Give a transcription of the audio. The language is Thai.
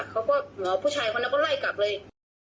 เขาก็ผู้ชายคนนั้นก็ไล่กลับเลย